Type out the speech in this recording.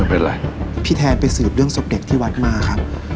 ไม่เป็นไรพี่แทนไปสืบเรื่องศพเด็กที่วัดมาครับ